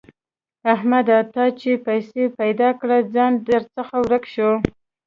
احمده! تا چې پيسې پیدا کړې؛ ځان درڅخه ورک شو.